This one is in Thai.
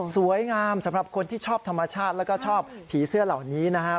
สวยงามสำหรับคนที่ชอบธรรมชาติแล้วก็ชอบผีเสื้อเหล่านี้นะฮะ